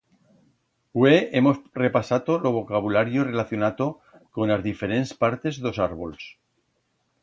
Hue hemos repasato lo vocabulario relacionato con as diferents partes d'os arbols.